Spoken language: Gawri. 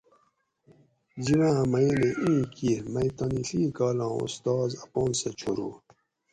جِب آں میینہ ایں کیر مئ تانی ڷی کالاں استاز اپان سہۤ چھورو